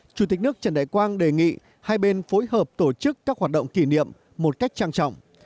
chủ tịch nước trần đại quang đề nghị hai bên phối hợp tổ chức các hoạt động kỷ niệm một cách trang trọng